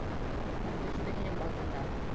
Ул төштө һинең балкондан!